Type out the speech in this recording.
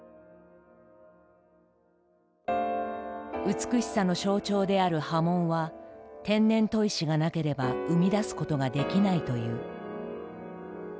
美しさの象徴である刃文は天然砥石がなければ生み出すことができないという。